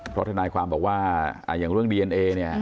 เพราะท่านายว่าความบอกว่าอย่างเรื่องดีเอ็นเอ